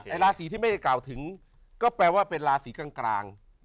ราศีที่ไม่ได้กล่าวถึงก็แปลว่าเป็นราศีกลาง